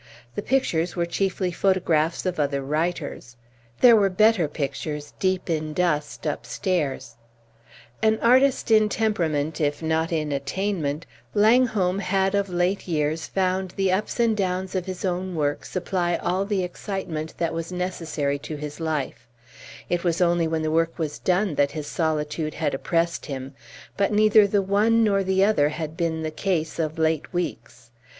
The pictures were chiefly photographs of other writers. There were better pictures deep in dust upstairs. An artist in temperament, if not in attainment, Langholm had of late years found the ups and downs of his own work supply all the excitement that was necessary to his life; it was only when the work was done that his solitude had oppressed him; but neither the one nor the other had been the case of late weeks.